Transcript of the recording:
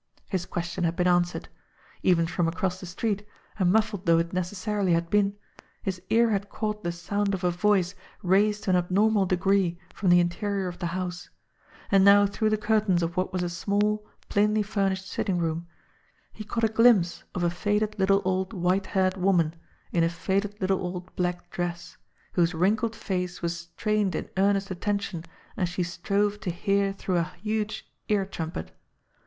His question had been answered. Even from across the street, and muffled though it necessarily had been, his ear had caught the sound of a voice raised to an abnormal degree from the interior of the house; and now through the curtains of what was a small, plainly furnished sitting room, he caught a glimpse of a faded little old white haired woman, in a faded THREADS 51 little old black dress, whose wrinkled face was strained in earnest attention as she strove to hear through a huge ear trumpet.